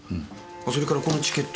それからこのチケット。